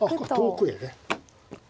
遠くへね。